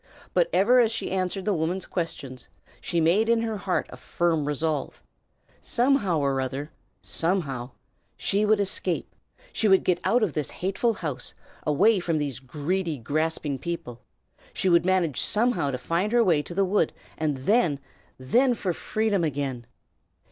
But even as she answered the woman's question, she made in her heart a firm resolve, somehow or other, somehow, she would escape; she would get out of this hateful house, away from these greedy, grasping people; she would manage somehow to find her way to the wood, and then then for freedom again!